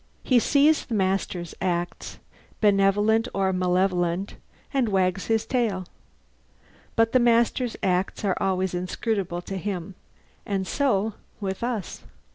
He sees the master's acts, benevolent or malevolent, and wags his tail. But the master's acts are always inscrutable to him. And so with us.